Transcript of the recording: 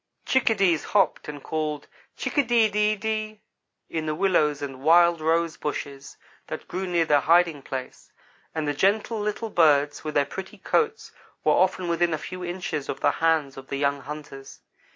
Chickadees hopped and called, "chick a de de de" in the willows and wild rose bushes that grew near their hiding place; and the gentle little birds with their pretty coats were often within a few inches of the hands of the young hunters.